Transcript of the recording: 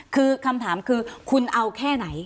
คือคำถามคือคุณเอาแค่ไหน